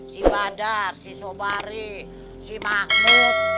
si bandar si sobari si mahmud